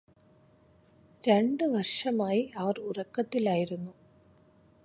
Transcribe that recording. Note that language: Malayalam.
രണ്ടുവര്ഷമായി അവര് ഉറക്കത്തിലായിരുന്നു